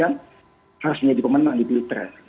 yang terbaik kan harus menjadi pemenang di bilik terakhir